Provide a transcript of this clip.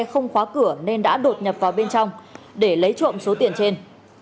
không khóa cửa nên đã đột nhập vào bên trong để lấy trộm số tiền trên